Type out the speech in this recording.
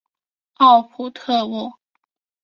奥普特沃。